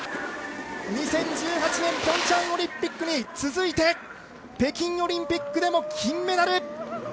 ２０１８年ピョンチャンオリンピックに続いて北京オリンピックでも金メダル。